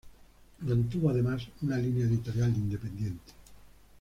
Mantuvo, además, una línea editorial independiente.